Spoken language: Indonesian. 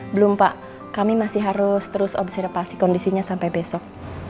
belum pak kami masih harus terus observasi kondisinya sampai besok